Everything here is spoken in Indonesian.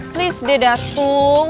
tris udah datuk